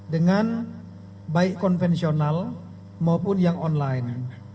dengan baik konvensional maupun yang online